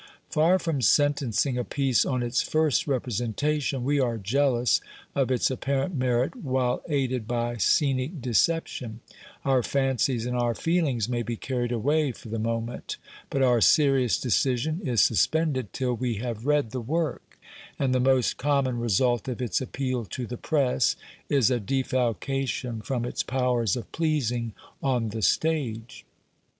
Far from sentencing a piece on its first repre sentation, we are jealous of its apparent merit while aided by scenic deception ; our fancies and our feelings may be carried away for the moment, but our serious decision is suspended till we have read the work ; and the most common result of its appeal to the press is a defalcation from its powers of pleasing on the stage.